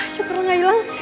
syukurlah gak ilang